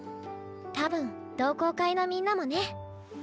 多分同好会のみんなもね。